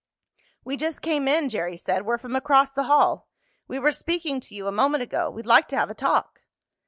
"We just came in," Jerry said. "We're from across the hall. We were speaking to you a moment ago. We'd like to have a talk."